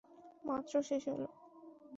মাত্র শেষ হলো?